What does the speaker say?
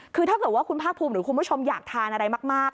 คือถ้าเกิดว่าคุณภาคภูมิหรือคุณผู้ชมอยากทานอะไรมาก